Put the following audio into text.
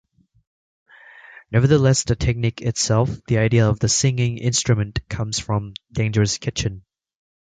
Nevertheless the technique itself, the idea of "the singing instrument" comes from "Dangerous Kitchen".